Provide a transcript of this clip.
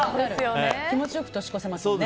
気持ち良く年越せますよね。